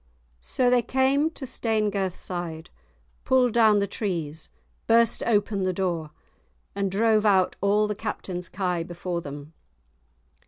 So they came to Stanegirthside, pulled down the trees, burst open the door, and drove out all the Captain's kye before them.